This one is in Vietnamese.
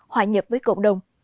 hòa nhập với cộng đồng